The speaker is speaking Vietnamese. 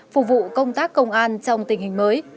phục vụ công tác công an trong tình hình mới